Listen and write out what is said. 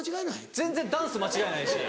全然ダンス間違えないし